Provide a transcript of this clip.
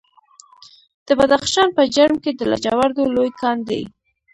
د بدخشان په جرم کې د لاجوردو لوی کان دی.